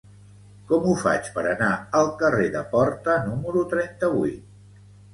Com ho faig per anar al carrer de Porta número trenta-vuit?